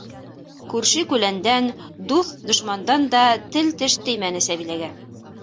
Күрше-күләндән, дуҫ-дошмандан да тел-теш теймәне Сәбиләгә.